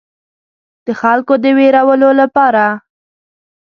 د خلکو د ویرولو لپاره.